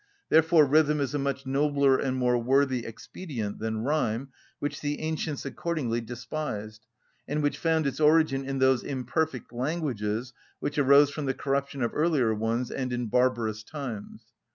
Therefore rhythm is a much nobler and more worthy expedient than rhyme, which the ancients accordingly despised, and which found its origin in those imperfect languages which arose from the corruption of earlier ones and in barbarous times.